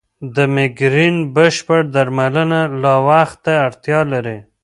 د مېګرین بشپړ درملنه لا وخت ته اړتیا لري.